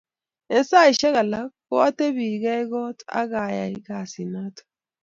eng' saishek alak ko atebe gei kot a ae kasit niton